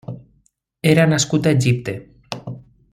Era nascut a Egipte.